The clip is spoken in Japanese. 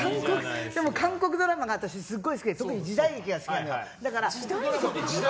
韓国ドラマが私、すごい好きで特に時代劇が好きなんですよ。